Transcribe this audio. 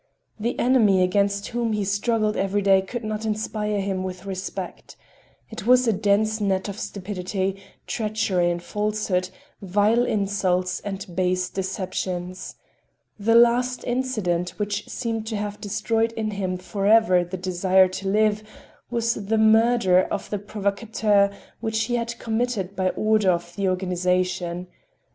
The enemy against whom he struggled every day could not inspire him with respect. It was a dense net of stupidity, treachery and falsehood, vile insults and base deceptions. The last incident which seemed to have destroyed in him forever the desire to live, was the murder of the provocateur which he had committed by order of the organization.